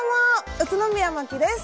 宇都宮まきです。